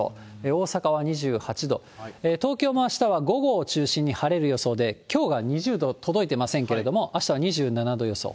大阪は２８度、東京もあしたは午後を中心に晴れる予想で、きょうが２０度届いてませんけれども、あしたは２７度予想。